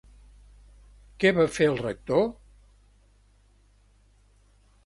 Què va fer el Rector?